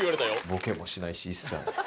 ボケもしないし一切。